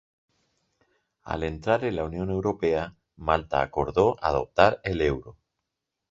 Al entrar en la Unión Europea, Malta acordó adoptar el euro.